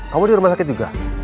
kamu di rumah sakit juga